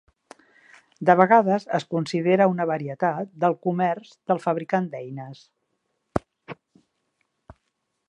De vegades, es considera una varietat del comerç del fabricant d'eines.